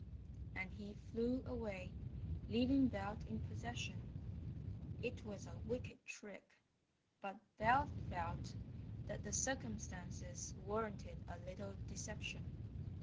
And he flew away, leaving Belt in possession. It was a wicked trick, but Belt felt that the circumstances warranted a little deception.